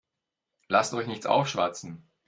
Lasst euch nichts aufschwatzen.